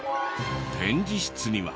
展示室には。